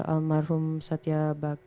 almarhum satya bagja